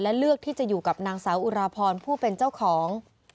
และเลือกที่จะอยู่กับนางสาวอุราพรผู้เป็นเจ้าของ